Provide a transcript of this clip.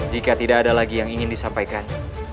jika tidak ada lagi yang ingin disampaikan